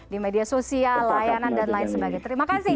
di media sosial layanan dan lain sebagainya terima kasih